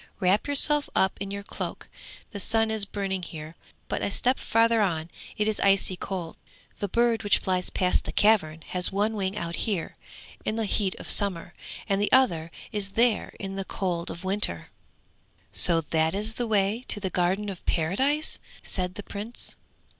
Wrap yourself up in your cloak, the sun is burning here, but a step further on it is icy cold. The bird which flies past the cavern has one wing out here in the heat of summer, and the other is there in the cold of winter.' 'So that is the way to the Garden of Paradise!' said the Prince.